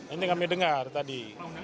ini kami dengar tadi